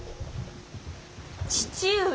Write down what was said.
父上。